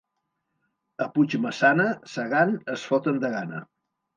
A Puigmaçana, segant es foten de gana.